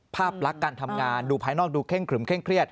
ภาพลักษณ์การทำงานดูภายนอกดูเคร่งครึมเร่งเครียด